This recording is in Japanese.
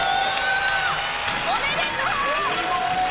おめでとう！